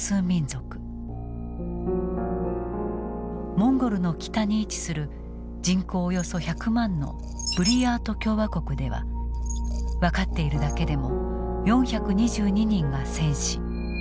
モンゴルの北に位置する人口およそ１００万のブリヤート共和国では分かっているだけでも４２２人が戦死。